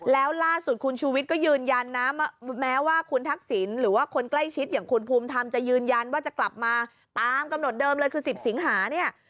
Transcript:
แล้วล่าสุดคุณชูวิทย์ก็ยืนยันนะแม้ว่าคุณทักษิณหรือว่าคนใกล้ชิดอย่างคุณภูมิธรรมจะยืนยันว่าจะกลับมาตามกำหนดเดิมเลยคือ๑๐สิงหาเนี่ย